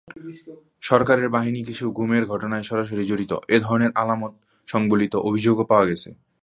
সরকারের বাহিনী কিছু গুমের ঘটনায় সরাসরি জড়িত—এ ধরনের আলামত-সংবলিত অভিযোগও পাওয়া গেছে।